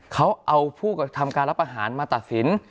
เขาเอาผู้กระทำการรับอาหารมาตัดสิน